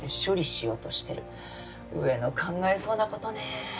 上の考えそうな事ね。